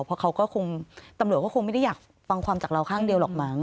เพราะเขาก็คงตำรวจก็คงไม่ได้อยากฟังความจากเราข้างเดียวหรอกมั้ง